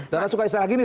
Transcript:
dan suka istilah gini